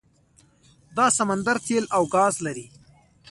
دا سمندر تیل او ګاز لري.